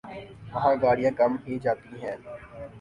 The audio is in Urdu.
وہاں گاڑیاں کم ہی جاتی ہیں ۔